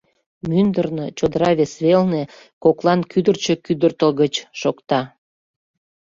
Мӱндырнӧ, чодыра вес велне, коклан кӱдырчӧ кӱдыртыгыч шокта.